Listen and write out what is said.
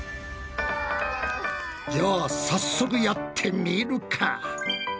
じゃあ早速やってみるか！